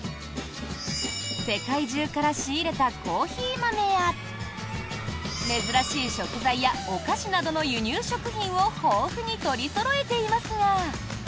世界中から仕入れたコーヒー豆や珍しい食材やお菓子などの輸入食品を豊富に取りそろえていますが。